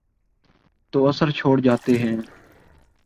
تو اثر چھوڑ جاتے ہیں۔